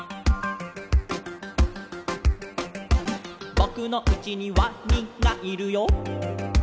「ぼくのうちにワニがいるよ」